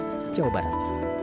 yogyakarta jawa barat